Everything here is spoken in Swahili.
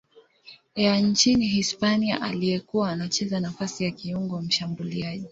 ya nchini Hispania aliyekuwa anacheza nafasi ya kiungo mshambuliaji.